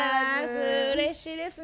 うれしいですね。